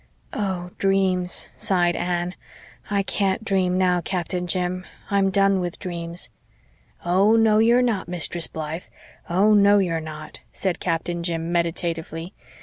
"Oh dreams," sighed Anne. "I can't dream now, Captain Jim I'm done with dreams." "Oh, no, you're not, Mistress Blythe oh, no, you're not," said Captain Jim meditatively.